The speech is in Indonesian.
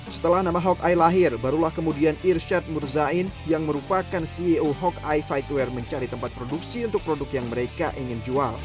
setelah nama hawkeye lahir barulah kemudian irsyad murzain yang merupakan ceo hawkeye fightwear mencari tempat produksi untuk produk yang mereka ingin jual